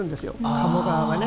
鴨川がね。